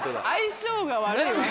相性が悪いわ。